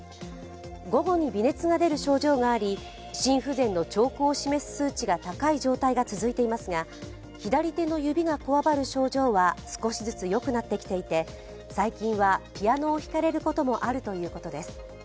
午後に微熱が出る症状があり、心不全の兆候を示す数値が高い状態が続いていますが、左手の指がこわばる症状は少しずつよくなってきていて最近はピアノを弾かれることもあるということです。